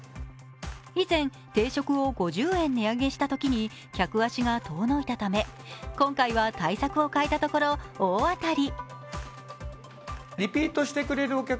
以前、定食を５０円値上げしたときに客足が遠のいたため今回は対策を変えたところ大当たり。